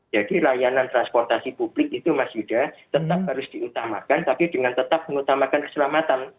jadi layanan transportasi publik itu mas yuda tetap harus diutamakan tapi dengan tetap mengutamakan keselamatan